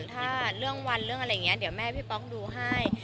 ถ้าเรื่องวันเรื่องอะไรอย่างนี้เดี๋ยวแม่พี่ป๊อกดูให้